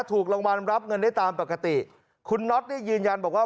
ถูกรางวัลรับเงินได้ตามปกติคุณน็อตเนี่ยยืนยันบอกว่า